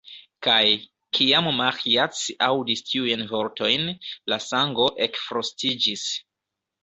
Kaj, kiam Maĥiac aŭdis tiujn vortojn, la sango ekfrostiĝis.